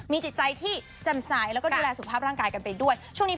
มีจิตใจที่จำสายและดูแลสุขภาพร่างกายกันไปด้วย